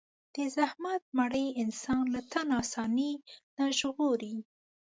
د زحمت مړۍ انسان له تن آساني نه ژغوري.